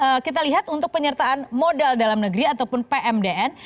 kalau kita lihat untuk penyertaan modal dalam negeri ataupun pmdn